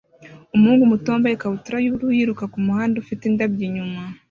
umuhungu muto wambaye ikabutura yubururu yiruka kumuhanda ufite indabyo inyuma